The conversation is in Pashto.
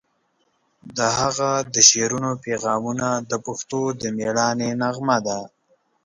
د هغه د شعرونو پیغامونه د پښتنو د میړانې نغمه ده.